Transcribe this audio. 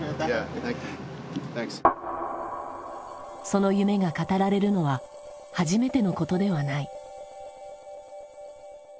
その夢が語られるのは初めてのことではない。